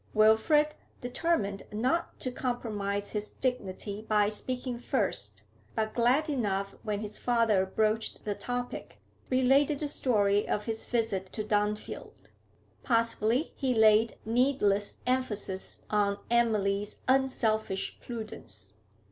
Wilfrid, determined not to compromise his dignity by speaking first, but glad enough when his father broached the topic, related the story of his visit to Dunfield. Possibly he laid needless emphasis on Emily's unselfish prudence.